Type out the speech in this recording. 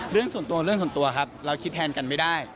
เรื่องส่วนตัวครับเราคิดแทนกันไม่ได้